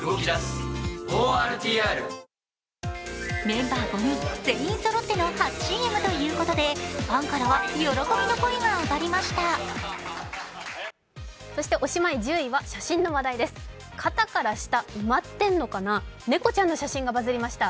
メンバー５人全員そろっての初ＣＭということで、ファンからは喜びの声が上がりました。